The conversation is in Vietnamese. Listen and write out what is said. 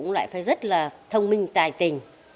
cũng lại phải rất là thông minh tài tình